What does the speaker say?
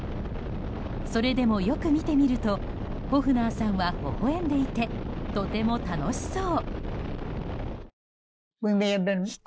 それでもよく見てみるとホフナーさんはほほ笑んでいてとても楽しそう。